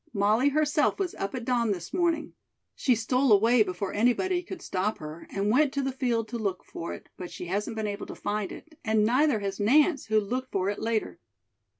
Molly herself was up at dawn this morning. She stole away before anybody could stop her, and went to the field to look for it, but she hasn't been able to find it, and neither has Nance, who looked for it later.